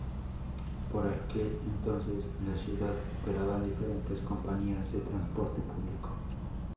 Por aquel entonces, en la ciudad operaban diferentes compañías de transporte público.